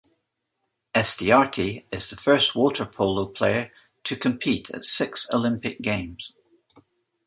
Estiarte is the first water polo player to compete at six Olympic Games.